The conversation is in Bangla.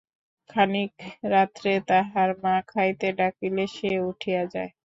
খানিক রাত্রে তাহার মা খাইতে ডাকিলে সে উঠিয়া যায়।